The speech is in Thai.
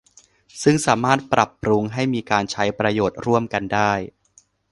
ซึ่งสามารถปรับปรุงให้มีการใช้ประโยชน์ร่วมกันได้